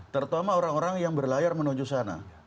terutama orang orang yang berlayar menuju sana